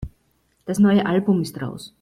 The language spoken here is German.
Das neue Album ist raus.